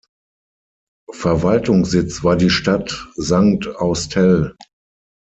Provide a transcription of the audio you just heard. Verwaltungssitz war die Stadt St Austell.